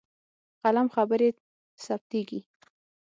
په قلم خبرې ثبتېږي.